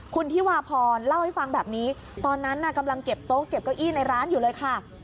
คุณธิวาพรเล่าให้ฟังแบบนี้ตอนนั้นน่ะกำลังเก็บโต๊ะเก็บเก้าอี้ในร้านอยู่เลยค่ะ